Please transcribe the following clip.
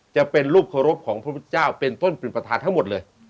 จะเป็นรูปเคารพของพระพุทธเจ้าเป็นต้นเป็นประธานทั้งหมดเลย